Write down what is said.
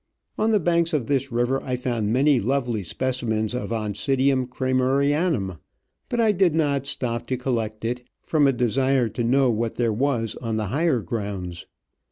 On the banks of this river I found many lovely specimens of Oncidium Kramerianum, but I did not stop to collect it, from a desire to know what there was on the higher grounds.